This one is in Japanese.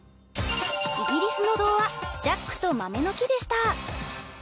イギリスの童話「ジャックと豆の木」でした。